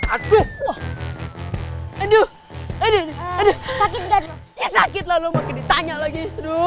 aduh aduh aduh aduh aduh sakit lagi